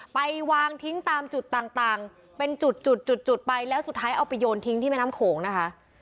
ไปวางทิ้งตามจุดต่างเป็นจุดจุดไปแล้วสุดท้ายเอาไปโยนทิ้งที่แม่น้ำโขงนะคะ